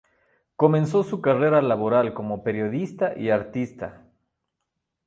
Comenzó su carrera laboral como periodista y artista.